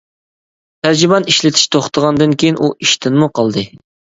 تەرجىمان ئىشلىتىش توختىغاندىن كېيىن، ئۇ ئىشتىنمۇ قالدى.